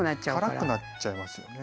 辛くなっちゃいますよね。